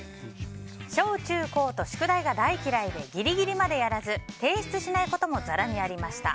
小中高と宿題が大嫌いでギリギリまでやらず提出しないこともざらにありました。